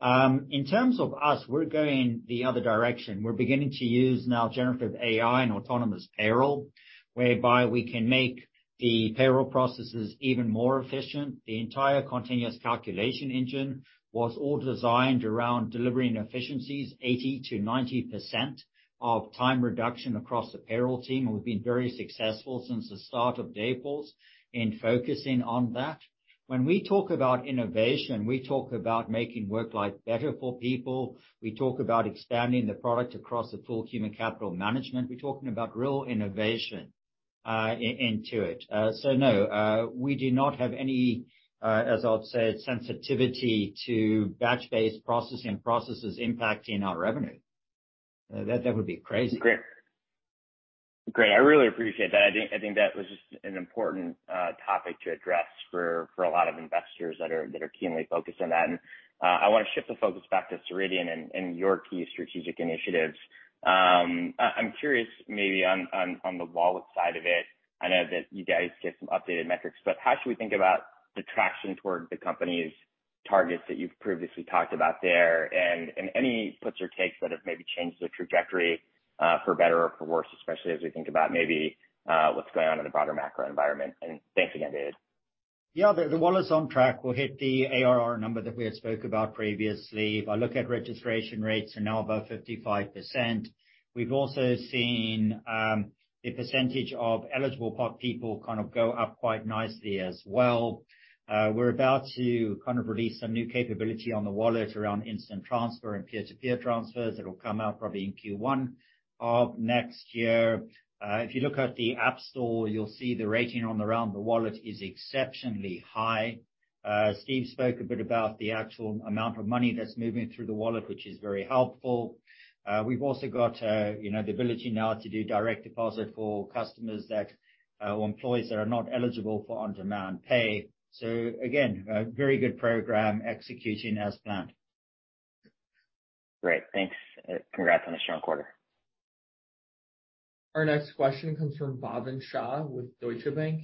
In terms of us, we're going the other direction. We're beginning to use now generative AI and autonomous payroll, whereby we can make the payroll processes even more efficient. The entire Continuous Calculation Engine was all designed around delivering efficiencies, 80%-90% of time reduction across the payroll team, and we've been very successful since the start of Dayforce in focusing on that. When we talk about innovation, we talk about making work life better for people. We talk about expanding the product across the full human capital management. We're talking about real innovation into it. So no, we do not have any, as I'll say, sensitivity to batch-based processing processes impacting our revenue. That would be crazy. Great. Great, I really appreciate that. I think, I think that was just an important topic to address for, for a lot of investors that are, that are keenly focused on that. And I want to shift the focus back to Ceridian and, and your key strategic initiatives. I'm curious, maybe on, on, on the Wallet side of it, I know that you guys get some updated metrics, but how should we think about the traction toward the company's targets that you've previously talked about there? And, and any puts or takes that have maybe changed the trajectory for better or for worse, especially as we think about maybe, what's going on in the broader macro environment. And thanks again, David. Yeah, the Wallet's on track. We'll hit the ARR number that we had spoke about previously. If I look at registration rates, they're now above 55%. We've also seen the percentage of eligible population kind of go up quite nicely as well. We're about to kind of release some new capability on the Wallet around instant transfer and peer-to-peer transfers. It'll come out probably in Q1 of next year. If you look at the App Store, you'll see the rating on around the Wallet is exceptionally high. Steve spoke a bit about the actual amount of money that's moving through the Wallet, which is very helpful. We've also got, you know, the ability now to do direct deposit for customers that or employees that are not eligible for on-demand pay. So again, a very good program executing as planned. Great. Thanks. Congrats on a strong quarter. Our next question comes from Bhavin Shah with Deutsche Bank.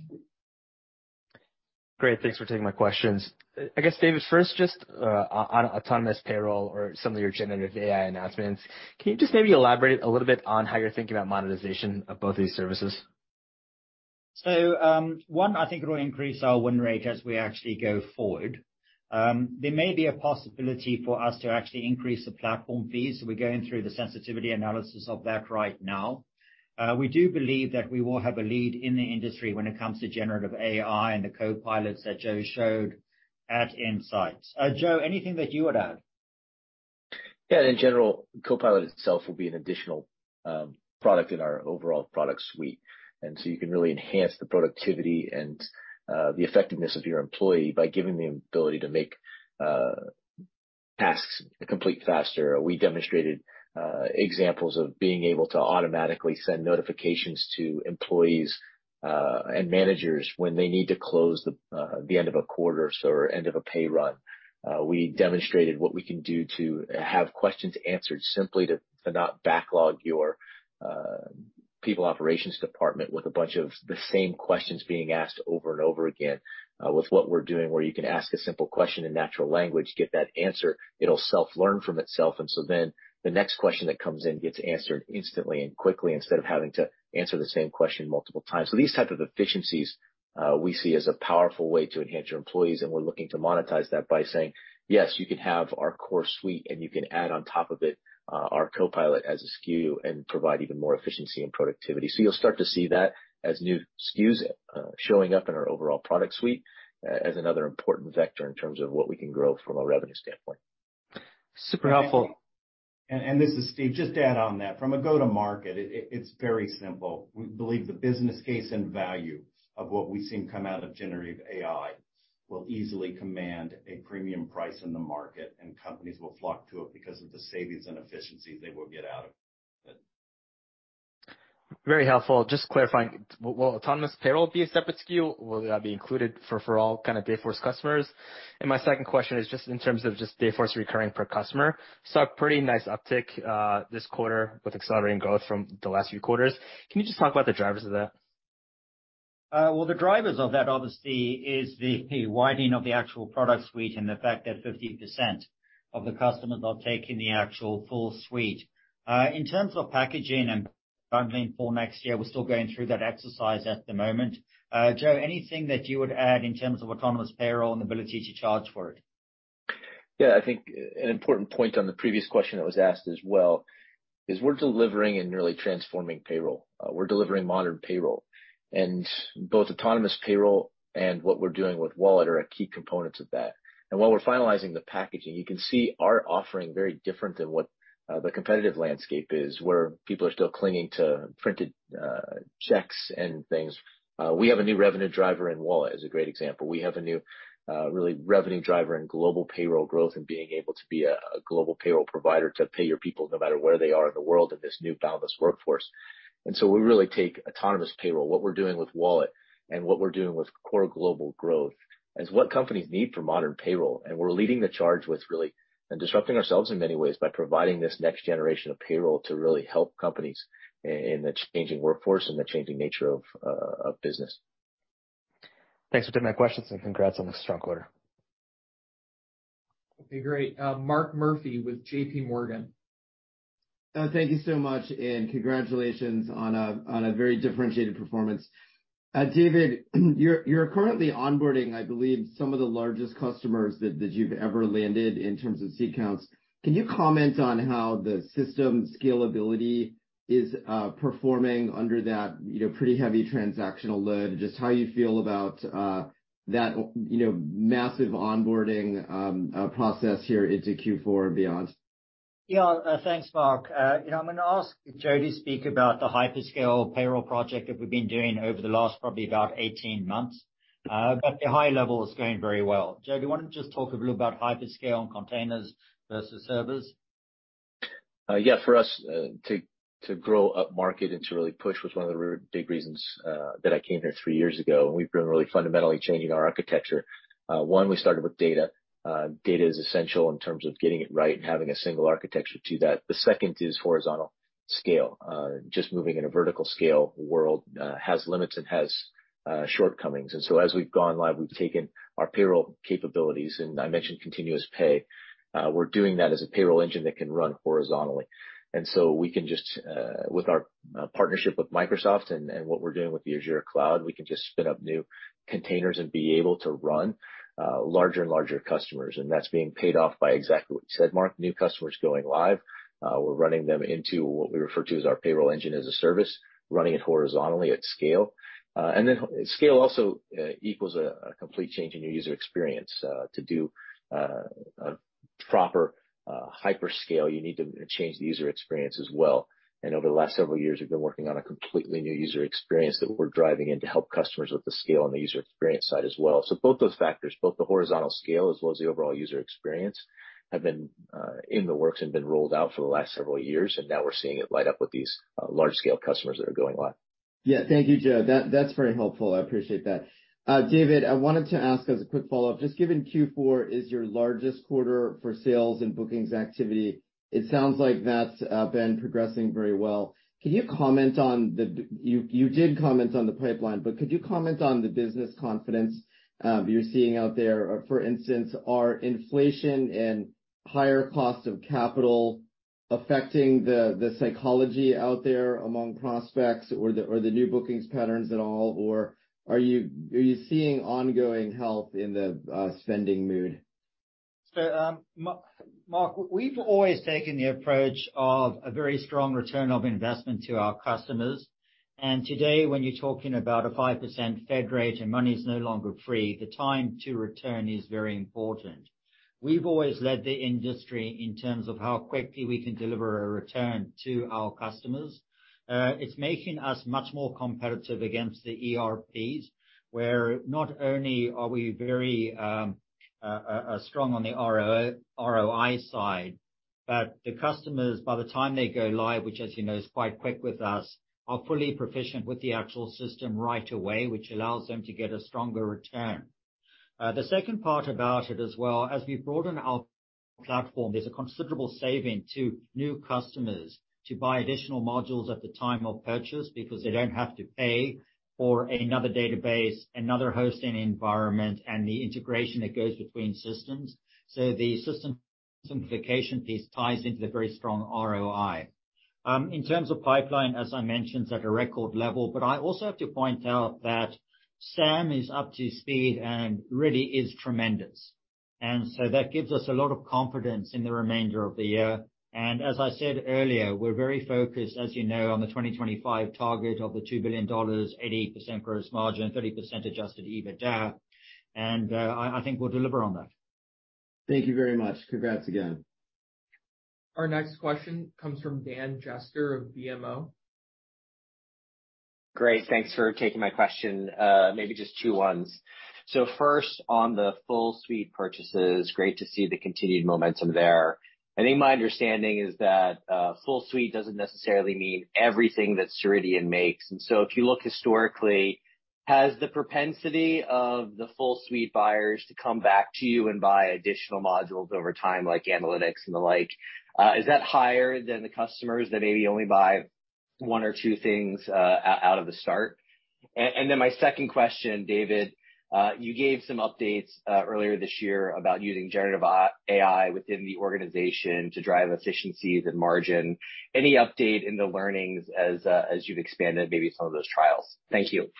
Great. Thanks for taking my questions. I guess, David, first, just, on, on autonomous payroll or some of your generative AI announcements, can you just maybe elaborate a little bit on how you're thinking about monetization of both these services? So, I think it will increase our win rate as we actually go forward. There may be a possibility for us to actually increase the platform fees, so we're going through the sensitivity analysis of that right now. We do believe that we will have a lead in the industry when it comes to generative AI and the Co-Pilots that Joe showed at Insights. Joe, anything that you would add? Yeah, in general, Co-Pilot itself will be an additional, product in our overall product suite. And so you can really enhance the productivity and, the effectiveness of your employee by giving the ability to make, tasks complete faster. We demonstrated, examples of being able to automatically send notifications to employees, and managers when they need to close the, end of a quarter or end of a pay run. We demonstrated what we can do to have questions answered simply to not backlog your, people operations department with a bunch of the same questions being asked over and over again. With what we're doing, where you can ask a simple question in natural language, get that answer, it'll self-learn from itself, and so then the next question that comes in gets answered instantly and quickly, instead of having to answer the same question multiple times. So these type of efficiencies, we see as a powerful way to enhance your employees, and we're looking to monetize that by saying, "Yes, you can have our core suite, and you can add on top of it, our Co-Pilot as a SKU and provide even more efficiency and productivity." So you'll start to see that as new SKUs, showing up in our overall product suite as another important vector in terms of what we can grow from a revenue standpoint. Super helpful. This is Steve. Just to add on that, from a go-to-market, it's very simple. We believe the business case and value of what we've seen come out of generative AI will easily command a premium price in the market, and companies will flock to it because of the savings and efficiencies they will get out of it. Very helpful. Just clarifying, will autonomous payroll be a separate SKU? Will that be included for all kind of Dayforce customers? And my second question is just in terms of just Dayforce recurring per customer, saw a pretty nice uptick, this quarter with accelerating growth from the last few quarters. Can you just talk about the drivers of that? Well, the drivers of that, obviously, is the widening of the actual product suite and the fact that 50% of the customers are taking the actual full suite. In terms of packaging and bundling for next year, we're still going through that exercise at the moment. Joe, anything that you would add in terms of autonomous payroll and the ability to charge for it? Yeah, I think an important point on the previous question that was asked as well, is we're delivering and really transforming payroll. We're delivering modern payroll, and both autonomous payroll and what we're doing with Wallet are key components of that. And while we're finalizing the packaging, you can see our offering very different than what the competitive landscape is, where people are still clinging to printed checks and things. We have a new revenue driver in Wallet, as a great example. We have a new really revenue driver in global payroll growth and being able to be a global payroll provider to pay your people no matter where they are in the world, in this new boundless workforce. And so we really take autonomous payroll. What we're doing with Wallet and what we're doing with core global growth is what companies need for modern payroll, and we're leading the charge with really—and disrupting ourselves in many ways by providing this next generation of payroll to really help companies in the changing workforce and the changing nature of business. Thanks for taking my questions, and congrats on the strong quarter. Okay, great. Mark Murphy with JPMorgan. Thank you so much, and congratulations on a very differentiated performance. David, you're currently onboarding, I believe, some of the largest customers that you've ever landed in terms of seat counts. Can you comment on how the system scalability is performing under that, you know, pretty heavy transactional load, and just how you feel about that, you know, massive onboarding process here into Q4 and beyond? Yeah. Thanks, Mark. You know, I'm gonna ask Joe to speak about the hyperscale payroll project that we've been doing over the last probably about 18 months. But the high level is going very well. Joe, do you wanna just talk a little about hyperscale and containers versus servers? Yeah, for us to grow upmarket and to really push was one of the really big reasons that I came here three years ago, and we've been really fundamentally changing our architecture. One, we started with data. Data is essential in terms of getting it right and having a single architecture to that. The second is horizontal scale. Just moving in a vertical scale world has limits and has shortcomings. And so as we've gone live, we've taken our payroll capabilities, and I mentioned continuous pay. We're doing that as a payroll engine that can run horizontally. And so we can just, with our partnership with Microsoft and what we're doing with the Azure cloud, we can just spin up new containers and be able to run larger and larger customers, and that's being paid off by exactly what you said, Mark. New customers going live. We're running them into what we refer to as our payroll engine as a service, running it horizontally at scale. And then scale also equals a complete change in your user experience. To do a proper hyperscale, you need to change the user experience as well. And over the last several years, we've been working on a completely new user experience that we're driving in to help customers with the scale and the user experience side as well. So both those factors, both the horizontal scale as well as the overall user experience, have been in the works and been rolled out for the last several years, and now we're seeing it light up with these large-scale customers that are going live. Yeah. Thank you, Joe. That, that's very helpful. I appreciate that. David, I wanted to ask as a quick follow-up, just given Q4 is your largest quarter for sales and bookings activity, it sounds like that's been progressing very well. Can you comment on the—you did comment on the pipeline, but could you comment on the business confidence you're seeing out there? For instance, are inflation and higher cost of capital affecting the psychology out there among prospects or the new bookings patterns at all, or are you seeing ongoing health in the spending mood? So, Mark, we've always taken the approach of a very strong return of investment to our customers, and today, when you're talking about a 5% Fed rate and money is no longer free, the time to return is very important. We've always led the industry in terms of how quickly we can deliver a return to our customers. It's making us much more competitive against the ERPs, where not only are we very strong on the ROI side, but the customers, by the time go-live, which, as you know, is quite quick with us, are fully proficient with the actual system right away, which allows them to get a stronger return. The second part about it as well, as we broaden our platform, there's a considerable saving to new customers to buy additional modules at the time of purchase, because they don't have to pay for another database, another hosting environment, and the integration that goes between systems. So the system simplification piece ties into the very strong ROI. In terms of pipeline, as I mentioned, it's at a record level, but I also have to point out that Sam is up to speed and really is tremendous. And so that gives us a lot of confidence in the remainder of the year. And as I said earlier, we're very focused, as you know, on the 2025 target of the $2 billion, 80% gross margin, 30% Adjusted EBITDA, and I think we'll deliver on that. Thank you very much. Congrats again. Our next question comes from Dan Jester of BMO. Great. Thanks for taking my question. Maybe just two ones. So first, on the full suite purchases, great to see the continued momentum there. I think my understanding is that, full suite doesn't necessarily mean everything that Ceridian makes, and so if you look historically, has the propensity of the full suite buyers to come back to you and buy additional modules over time, like analytics and the like, is that higher than the customers that maybe only buy one or two things, out of the start? And then my second question, David, you gave some updates, earlier this year about using generative AI within the organization to drive efficiencies and margin. Any update in the learnings as you've expanded maybe some of those trials? Thank you.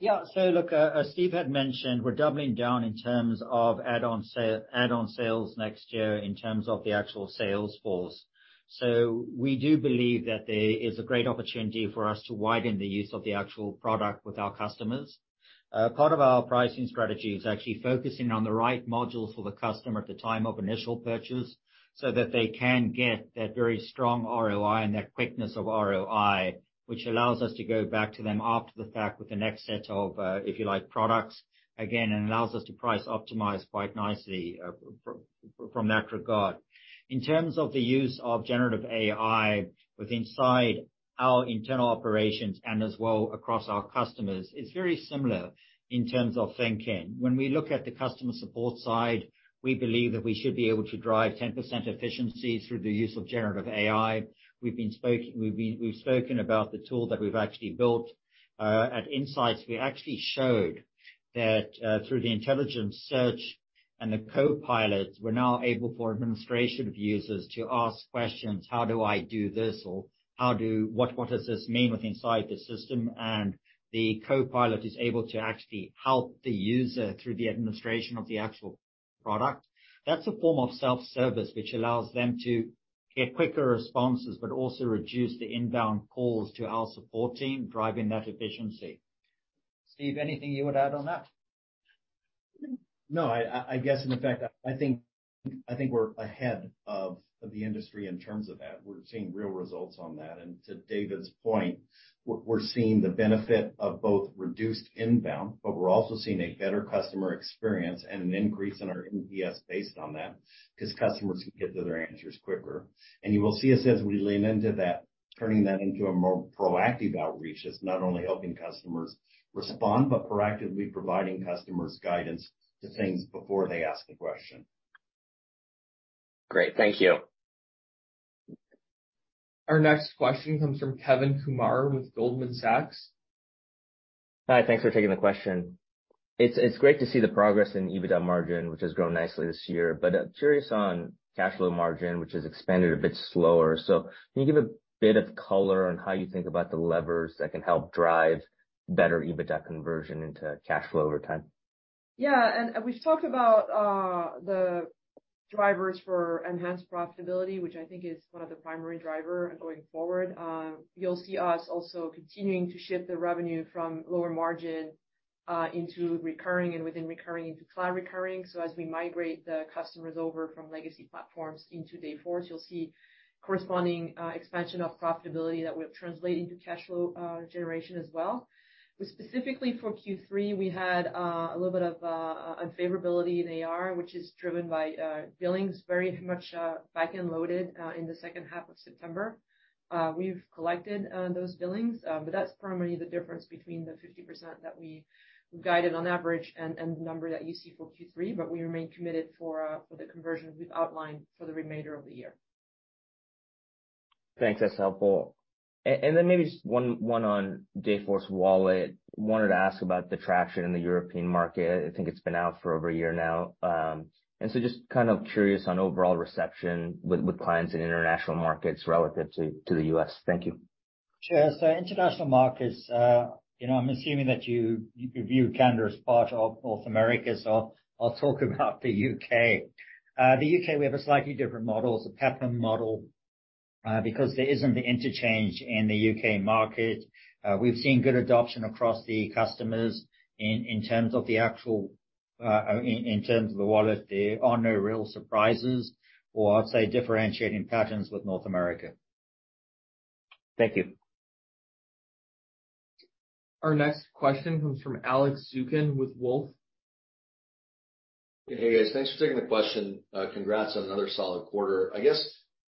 Yeah. So look, as Steve had mentioned, we're doubling down in terms of add-on sale, add-on sales next year in terms of the actual sales force. So we do believe that there is a great opportunity for us to widen the use of the actual product with our customers. Part of our pricing strategy is actually focusing on the right modules for the customer at the time of initial purchase, so that they can get that very strong ROI and that quickness of ROI, which allows us to go back to them after the fact with the next set of, if you like, products, again, and allows us to price optimize quite nicely, from, from that regard. In terms of the use of generative AI with inside our internal operations and as well across our customers, it's very similar in terms of thinking. When we look at the customer support side, we believe that we should be able to drive 10% efficiency through the use of generative AI. We've spoken about the tool that we've actually built at Insights. We actually showed that through the Intelligent Search and the Co-Pilots, we're now able, for administration of users, to ask questions: How do I do this? Or what does this mean inside the system? And the Co-Pilot is able to actually help the user through the administration of the actual product. That's a form of self-service, which allows them to get quicker responses, but also reduce the inbound calls to our support team, driving that efficiency. Steve, anything you would add on that? No, I guess, in fact, I think we're ahead of the industry in terms of that. We're seeing real results on that. And to David's point, we're seeing the benefit of both reduced inbound, but we're also seeing a better customer experience and an increase in our NPS based on that, 'cause customers can get to their answers quicker. And you will see us as we lean into that, turning that into a more proactive outreach. It's not only helping customers respond, but proactively providing customers guidance to things before they ask a question. Great, thank you. Our next question comes from Kevin Kumar with Goldman Sachs. Hi, thanks for taking the question. It's great to see the progress in EBITDA margin, which has grown nicely this year, but I'm curious on cash flow margin, which has expanded a bit slower. So can you give a bit of color on how you think about the levers that can help drive better EBITDA conversion into cash flow over time? Yeah, and we've talked about the drivers for enhanced profitability, which I think is one of the primary driver going forward. You'll see us also continuing to shift the revenue from lower margin into recurring, and within recurring into cloud recurring. So as we migrate the customers over from legacy platforms into Dayforce, you'll see corresponding expansion of profitability that will translate into cash flow generation as well. But specifically for Q3, we had a little bit of unfavourability in AR, which is driven by billings very much back-ended loaded in the second half of September. We've collected those billings, but that's primarily the difference between the 50% that we guided on average and the number that you see for Q3, but we remain committed for the conversions we've outlined for the remainder of the year. Thanks. That's helpful. And then maybe just one on Dayforce Wallet. Wanted to ask about the traction in the European market. I think it's been out for over a year now. And so just kind of curious on overall reception with clients in international markets relative to the U.S. Thank you. Sure. So international markets, you know, I'm assuming that you view Canada as part of North America, so I'll talk about the U.K.. The U.K., we have a slightly different model. It's a partner model, because there isn't the interchange in the U.K. market. We've seen good adoption across the customers in terms of the actual Wallet. There are no real surprises or, I'd say, differentiating patterns with North America. Thank you. Our next question comes from Alex Zukin with Wolfe. Hey, guys. Thanks for taking the question. Congrats on another solid quarter. I guess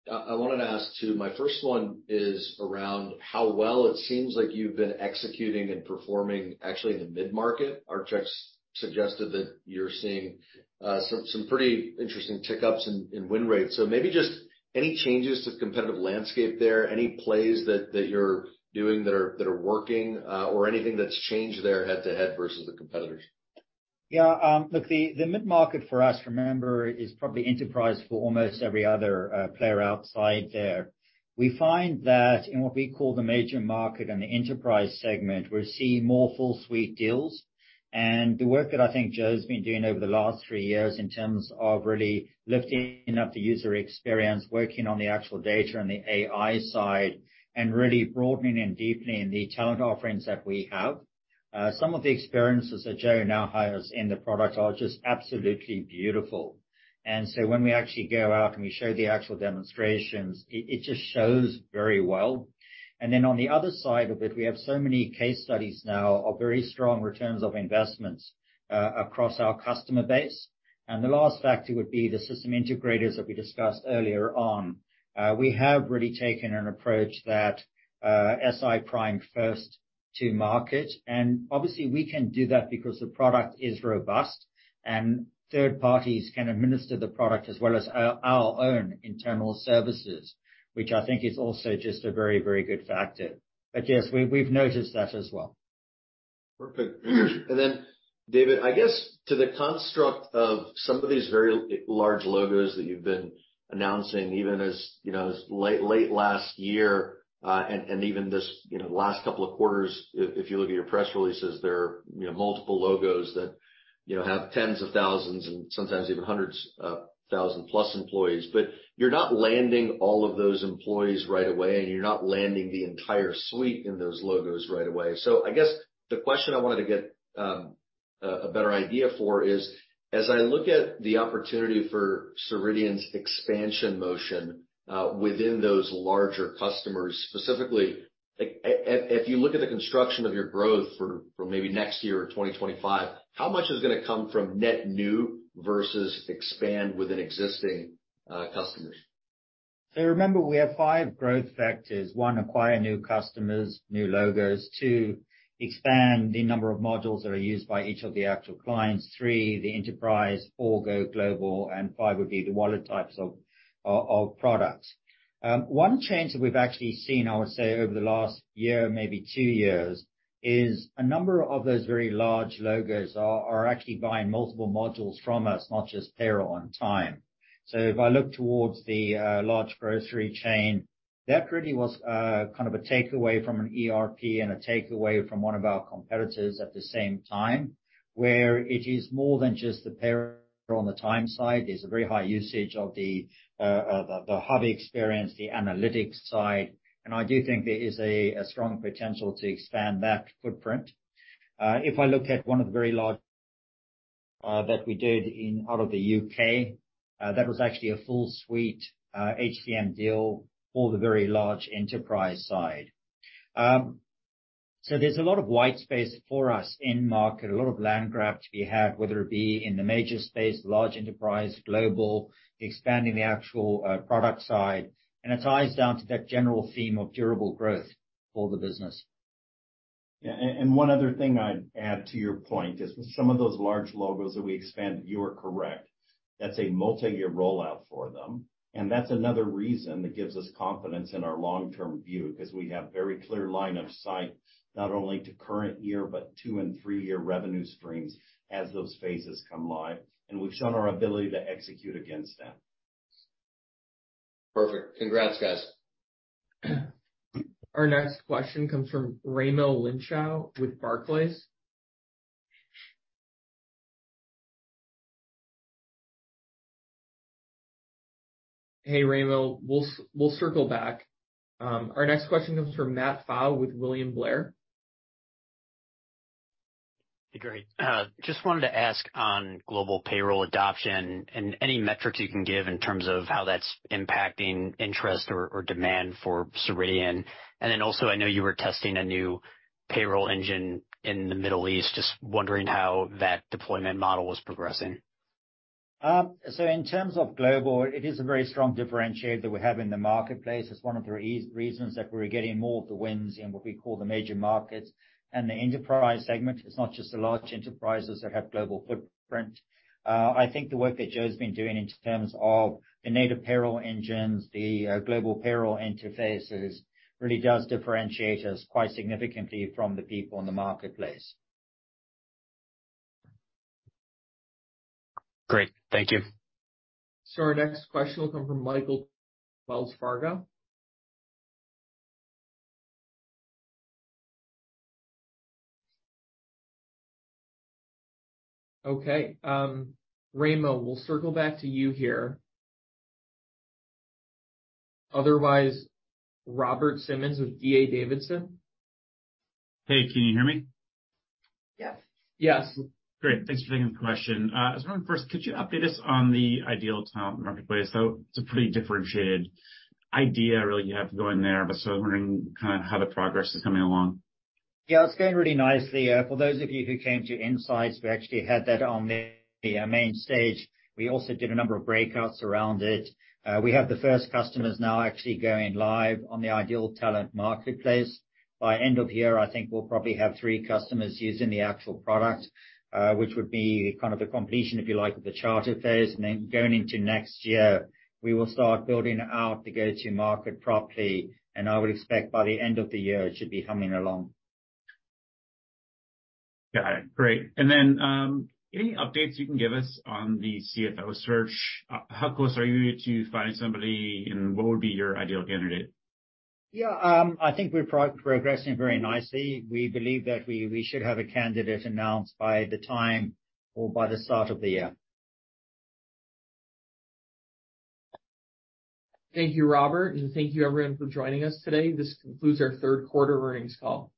I wanted to ask, too, my first one is around how well it seems like you've been executing and performing actually in the mid-market. Our checks suggested that you're seeing some pretty interesting tick-ups in win rates. So maybe just any changes to the competitive landscape there? Any plays that you're doing that are working, or anything that's changed there head-to-head versus the competitors? Yeah, look, the mid-market for us, remember, is probably enterprise for almost every other player outside there. We find that in what we call the major market and the enterprise segment, we're seeing more full suite deals. And the work that I think Joe's been doing over the last three years, in terms of really lifting up the user experience, working on the actual data and the AI side, and really broadening and deepening the talent offerings that we have. Some of the experiences that Joe now has in the product are just absolutely beautiful. And so when we actually go out and we show the actual demonstrations, it just shows very well. And then on the other side of it, we have so many case studies now of very strong returns of investments across our customer base. The last factor would be the system integrators that we discussed earlier on. We have really taken an approach that, SI prime first to market, and obviously, we can do that because the product is robust, and third parties can administer the product as well as our own internal services, which I think is also just a very, very good factor. But yes, we've noticed that as well. Perfect. And then, David, I guess to the construct of some of these very large logos that you've been announcing, even as, you know, as late last year, and even this, you know, last couple of quarters, if you look at your press releases, there are, you know, multiple logos that, you know, have tens of thousands and sometimes even hundreds of thousand-plus employees. But you're not landing all of those employees right away, and you're not landing the entire suite in those logos right away. So I guess the question I wanted to get a better idea for is, as I look at the opportunity for Ceridian's expansion motion within those larger customers, specifically, like, if you look at the construction of your growth for, for maybe next year or 2025, how much is gonna come from net new versus expand within existing customers? So remember, we have five growth factors: One, acquire new customers, new logos. Two, expand the number of modules that are used by each of the actual clients. Three, the enterprise. Four, go global, and five, would be the wallet types of products. One change that we've actually seen, I would say, over the last year, maybe two years, is a number of those very large logos are actually buying multiple modules from us, not just payroll and time. So if I look towards the large grocery chain, that really was kind of a takeaway from an ERP and a takeaway from one of our competitors at the same time, where it is more than just the payroll and the time side. There's a very high usage of the Hub experience, the analytics side, and I do think there is a strong potential to expand that footprint. If I look at one of the very large that we did out of the U.K., that was actually a full suite HCM deal for the very large enterprise side. So there's a lot of white space for us in market, a lot of land grab to be had, whether it be in the major space, large enterprise, global, expanding the actual product side, and it ties down to that general theme of durable growth for the business. Yeah, and one other thing I'd add to your point is, with some of those large logos that we expanded, you are correct. That's a multi-year rollout for them, and that's another reason that gives us confidence in our long-term view, 'cause we have very clear line of sight, not only to current year, but two- and three-year revenue streams as those phases come live, and we've shown our ability to execute against that. Perfect. Congrats, guys. Our next question comes from Raimo Lenschow with Barclays. Hey, Raimo, we'll circle back. Our next question comes from Matt Pfau with William Blair. Hey, great. Just wanted to ask on global payroll adoption and any metrics you can give in terms of how that's impacting interest or, or demand for Ceridian. And then also, I know you were testing a new payroll engine in the Middle East, just wondering how that deployment model was progressing. So in terms of global, it is a very strong differentiator that we have in the marketplace. It's one of the reasons that we're getting more of the wins in what we call the major markets. And the enterprise segment, it's not just the large enterprises that have global footprint. I think the work that Joe's been doing in terms of the native payroll engines, the global payroll interfaces, really does differentiate us quite significantly from the people in the marketplace. Great. Thank you. So our next question will come from Michael, Wells Fargo. Okay, Raimo, we'll circle back to you here. Otherwise, Robert Simmons with D.A. Davidson. Hey, can you hear me? Yes. Yes. Great. Thanks for taking the question. I was wondering, first, could you update us on the Ideal Talent Marketplace? So it's a pretty differentiated idea, really, you have going there, but so I'm wondering kind of how the progress is coming along. Yeah, it's going really nicely. For those of you who came to Insights, we actually had that on the main stage. We also did a number of breakouts around it. We have the first customers now actually going live on the Ideal Talent Marketplace. By end of year, I think we'll probably have three customers using the actual product, which would be kind of the completion, if you like, of the charter phase. And then going into next year, we will start building out to go-to-market properly, and I would expect by the end of the year, it should be humming along. Got it. Great. And then, any updates you can give us on the CFO search? How close are you to finding somebody, and what would be your ideal candidate? Yeah, I think we're progressing very nicely. We believe that we should have a candidate announced by the time or by the start of the year. Thank you, Robert, and thank you everyone for joining us today. This concludes our third quarter earnings call.